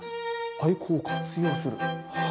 廃校を活用する？